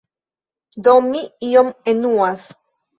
Do mi iom enuas.